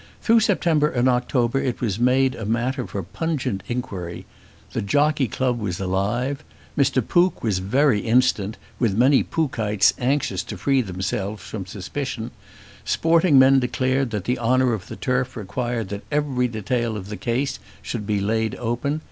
Through September and October it was made matter for pungent inquiry. The Jockey Club was alive. Mr. Pook was very instant, with many Pookites anxious to free themselves from suspicion. Sporting men declared that the honour of the turf required that every detail of the case should be laid open.